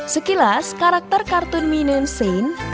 sekilas karakter kartun minion saint